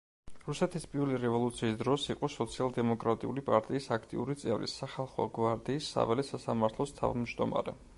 რუსეთის პირველი რევოლუციის დროს იყო სოციალ-დემოკრატიული პარტიის აქტიური წევრი, სახალხო გვარდიის საველე სასამართლოს თავმჯდომარე.